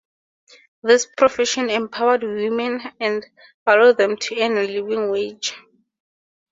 This profession empowered women and allowed them to earn a living wage.